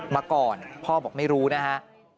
มาก่อนพ่อบอกไม่รู้นะฮะ